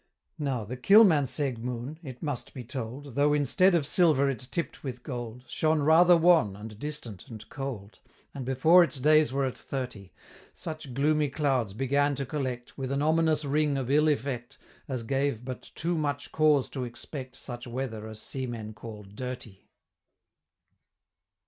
Now the Kilmansegg Moon, it must be told Though instead of silver it tipp'd with gold Shone rather wan, and distant, and cold, And before its days were at thirty, Such gloomy clouds began to collect, With an ominous ring of ill effect, As gave but too much cause to expect Such weather as seamen call dirty!